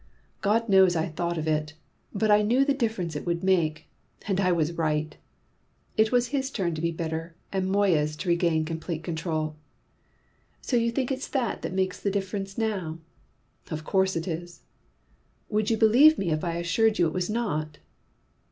"God knows I thought of it! But I knew the difference it would make. And I was right!" It was his turn to be bitter, and Moya's to regain complete control. "So you think it's that that makes the difference now?" "Of course it is." "Would you believe me if I assured you it was not?"